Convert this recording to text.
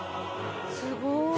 すごい。